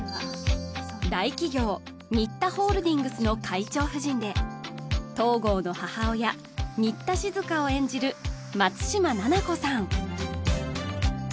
大企業新田ホールディングスの会長夫人で東郷の母親新田静を演じる松嶋菜々子さん